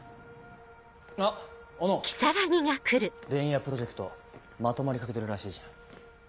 ・あっ小野・伝弥プロジェクトまとまりかけてるらしいじゃん。